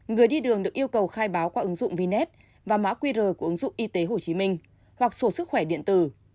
người đi đường được yêu cầu khai báo qua ứng dụng vne và mã qr của ứng dụng y tế hồ chí minh hoặc sổ sức khỏe điện tử